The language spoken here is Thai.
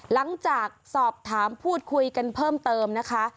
หลังจากสอบถามพูดคุยกันเพิ่มเติมนะคะ